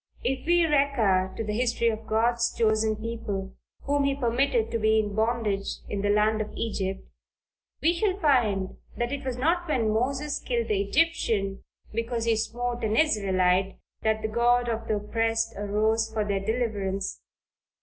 If we recur to the history of God's chosen people, whom he permitted to be in bondage in the land of Egypt, we shall find that it was not when Moses killed the Egyptian because he smote an Israelite, that the God of the oppressed arose for their deliverance.